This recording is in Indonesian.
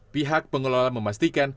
pihak pengelola memastikan